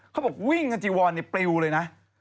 เขาบอกวิ่งวิ่งคจีวอนต์ในปริวเลยนะ